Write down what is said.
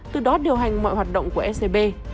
từ đó điều hành mọi hoạt động của scb